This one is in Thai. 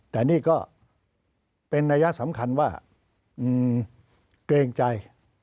แต่นี่ก็เป็นนัยสำคัญว่าเกรงใจ